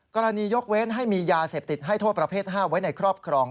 กรณียกเว้นให้มียาเสพติดให้โทษประเภท๕ไว้ในครอบครอง